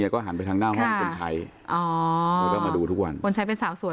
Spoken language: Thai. ๒๘ค่ะนั่นไง